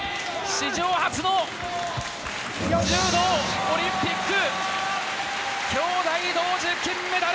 史上初の柔道オリンピック兄妹同時金メダル！